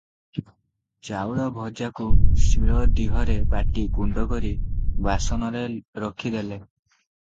ଚାଉଳ ଭଜାକୁ ସିଳ ଦିହରେ ବାଟି ଗୁଣ୍ଡକରି ବାସନରେ ରଖିଦେଲେ ।